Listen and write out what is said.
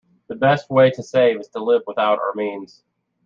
The best way to save is to live without our means.